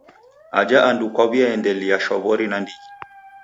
Aja andu kwaw'iaendelia shwaw'ori nandighi.